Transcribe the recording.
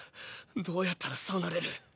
どうやったらそうなれる？